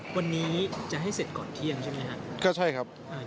วันนี้จะให้เสร็จก่อนเที่ยงใช่ไหมครับ